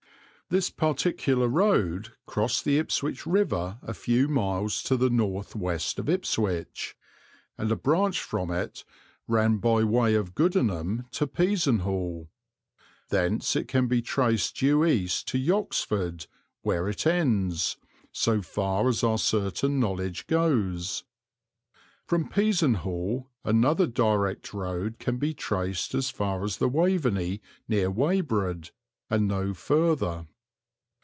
This particular road crossed the Ipswich river a few miles to the north west of Ipswich, and a branch from it ran by way of Goodenham to Peasenhall. Thence it can be traced due east to Yoxford, where it ends, so far as our certain knowledge goes. From Peasenhall another direct road can be traced as far as the Waveney, near Weybread, and no further.